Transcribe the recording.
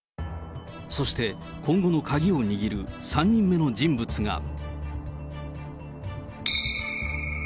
そして今後の鍵を握る３人目の人物が。